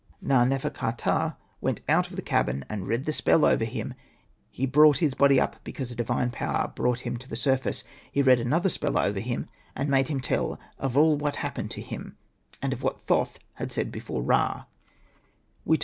Na.nefer.ka. Hosted by Google AHURA'S TALE 103 ptah went out of the cabin, and read the spell over him ; he brought his body up because a divine power brought him to the surface. He read another spell over him, and made him tell of all what happened to him, and of what Thoth had said before Ka.